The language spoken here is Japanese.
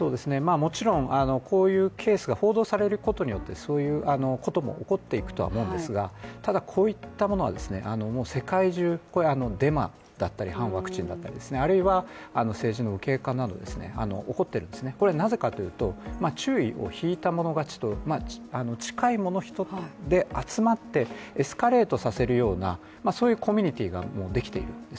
もちろんこういうケースが報道されることによってそういうことも起こっていくとは思うんですが、ただこういったものは、世界中、デマだったり反ワクチンだったりあるいは政治の右傾化など起こっているんですね、なぜかというと注意を引いたもの勝ちというか近い人で集まって、集まって、エスカレートさせるようなそういうコミュニティーができているんです。